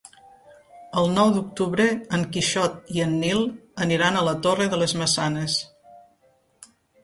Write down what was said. El nou d'octubre en Quixot i en Nil aniran a la Torre de les Maçanes.